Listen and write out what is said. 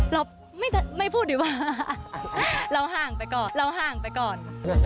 เราไม่พูดดีกว่าเราห่างไปก่อนเราห่างไปก่อน